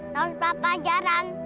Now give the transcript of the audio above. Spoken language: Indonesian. tentang apa ajaran